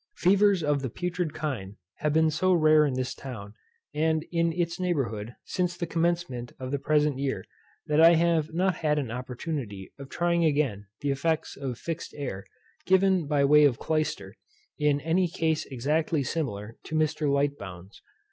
Fevers of the putrid kind have been so rare in this town, and in its neighbourhood, since the commencement of the present year, that I have not had an opportunity of trying again the effects of fixed air, given by way of clyster, in any case exactly similar to Mr. Lightbowne's.